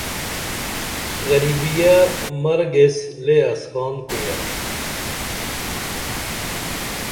غریبیہ مرگ ایس لے اسکان کُریہ